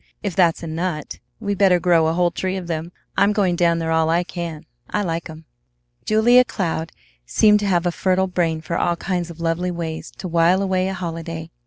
"If that's a nut, we better grow a whole tree of them. I'm going down there all I can. I like 'em!" Julia Cloud seemed to have a fertile brain for all kinds of lovely ways to while away a holiday.